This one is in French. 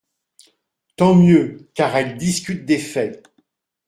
Tant mieux, car elles discutent des faits.